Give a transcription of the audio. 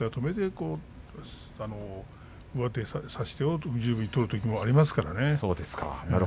差し手を十分に取るときがありますからね。